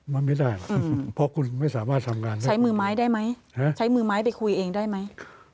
มันไม่ได้เพราะคุณไม่สามารถทำงานใช้มือไม้ไปคุยเองได้ไหม